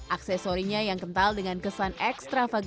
aksesorinya yang kental dengan kesan ekstravakuasi